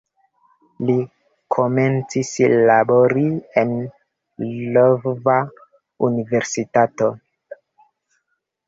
Li komencis labori en "Lvova Universitato".